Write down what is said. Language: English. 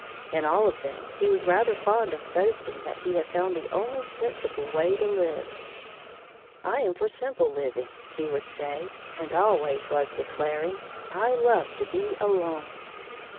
In all of them he was rather fond of boasting that he had found the only sensible way to live. "I am for simple living," he would say, and always was declaring "I love to be ALONE!"